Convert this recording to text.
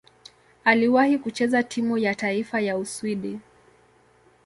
Aliwahi kucheza timu ya taifa ya Uswidi.